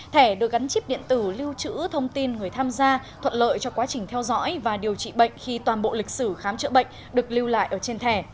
thẻ được gắn chip điện tử lưu trữ thông tin người tham gia thuận lợi cho quá trình theo dõi và điều trị bệnh khi toàn bộ lịch sử khám chữa bệnh được lưu lại ở trên thẻ